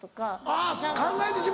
あっ考えてしまうのか。